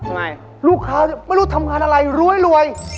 ไม่รู้ทำงานอะไรรวย